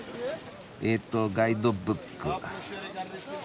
えっとガイドブック。